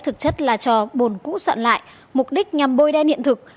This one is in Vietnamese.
thực chất là trò bồn cũ soạn lại mục đích nhằm bôi đen hiện thực